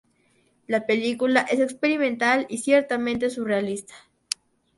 La película es experimental y ciertamente surrealista.